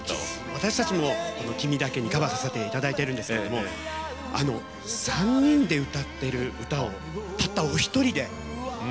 私たちも「君だけに」歌わせてもらってるんですけど３人で歌っている歌をたったお一人で。